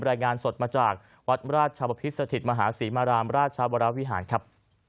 รายงานสดมาจากวัดราชบพิษสถิตมหาศรีมารามราชวรวิหารครับ